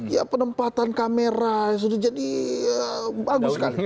ya penempatan kamera sudah jadi bagus sekali